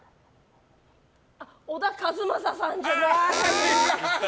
小田和正さんじゃない。